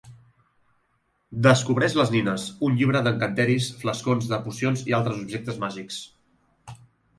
Descobreix les nines, un llibre d'encanteris, flascons de pocions i altres objectes màgics.